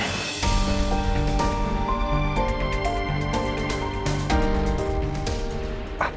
aku mau ketemu sama riki